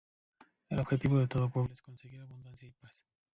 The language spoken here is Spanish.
El objetivo de todo pueblo es conseguir abundancia y paz.